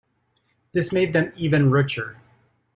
This made them even richer.